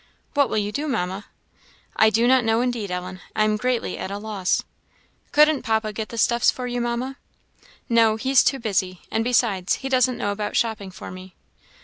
"What will you do, Mamma?" "I do not know, indeed, Ellen; I am greatly at a loss." "Couldn't papa get the stuffs for you, Mamma?" "No, he's too busy; and besides, he doesn't know about shopping for me."